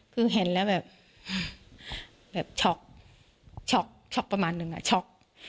คือเห็นแล้วแบบช็อกช็อกช็อกประมาณนึงอะช็อก